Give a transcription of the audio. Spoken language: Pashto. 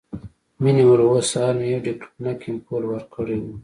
مينې وويل هو سهار مې يو ډيکلوفينک امپول ورکړى و.